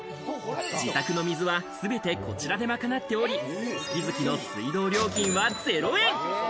自宅の水は全てこちらで賄っており、月々の水道料金は０円。